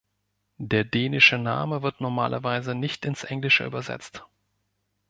Der dänische Name wird normalerweise nicht ins Englische übersetzt.